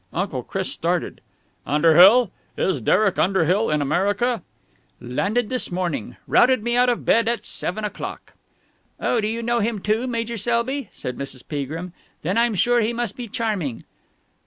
Uncle Chris started. "Underhill! Is Derek Underhill in America?" "Landed this morning. Routed me out of bed at seven o'clock." "Oh, do you know him, too, Major Selby?" said Mrs. Peagrim. "Then I'm sure he must be charming!"